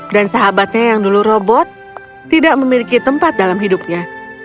dan sahabatnya yang dulu robot tidak memiliki tempat dalam hidupnya